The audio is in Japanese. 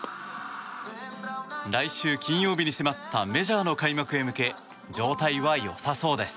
来週金曜日に迫ったメジャーの開幕へ向け状態は良さそうです。